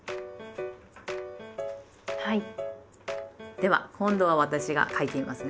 では今度は私が書いてみますね。